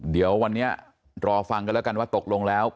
เดี๋ยววันนี้รอฟังกันแล้วกันว่าตกลงแล้ว